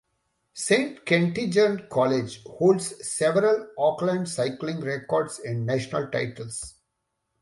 Saint Kentigern College holds several Auckland cycling records and national titles.